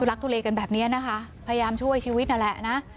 ลักทุเลกันแบบนี้นะคะพยายามช่วยชีวิตนั่นแหละนะ